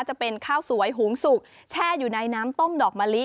จะเป็นข้าวสวยหุงสุกแช่อยู่ในน้ำต้มดอกมะลิ